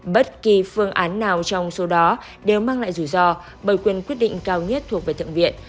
bất kỳ phương án nào trong số đó đều mang lại rủi ro bởi quyền quyết định cao nhất thuộc về thượng viện